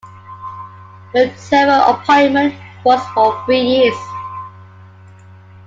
Her term of appointment was for three years.